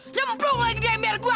nyeblong lagi di ember gue